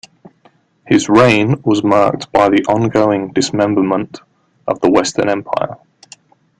His reign was marked by the ongoing dismemberment of the Western Empire.